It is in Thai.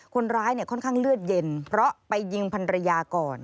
คนร้ายค่อนข้างเลือดเย็นเพราะไปยิงพันรยาก่อน